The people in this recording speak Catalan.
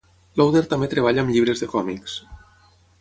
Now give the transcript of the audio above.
Lowder també treballa amb llibres de còmics.